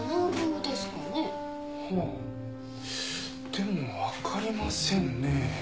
でもわかりませんねえ。